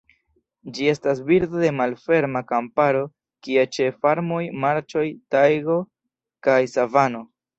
Ĝi estas birdo de malferma kamparo kia ĉe farmoj, marĉoj, tajgo kaj savano.